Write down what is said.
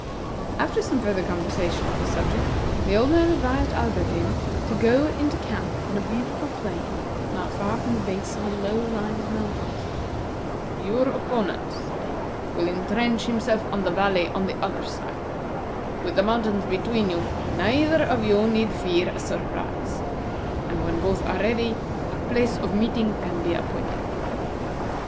After some further conversation on the subject, the old man advised Alberdin to go into camp on a beautiful plain not far from the base of a low line of mountains. "Your opponent," said he, "will intrench himself in the valley on the other side. With the mountains between you, neither of you need fear a surprise; and when both are ready, a place of meeting can be appointed.